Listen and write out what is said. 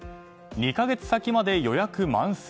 ２か月先まで予約満席。